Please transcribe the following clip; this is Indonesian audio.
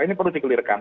ini perlu dikelirkan